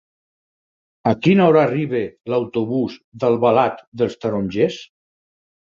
A quina hora arriba l'autobús d'Albalat dels Tarongers?